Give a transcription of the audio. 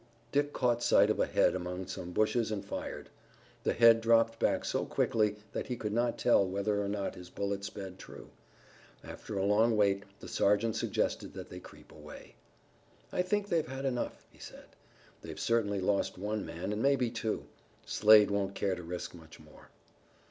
Dick caught sight of a head among some bushes and fired. The head dropped back so quickly that he could not tell whether or not his bullet sped true. After a long wait the sergeant suggested that they creep away. "I think they've had enough," he said. "They've certainly lost one man, and maybe two. Slade won't care to risk much more."